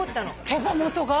手羽元が？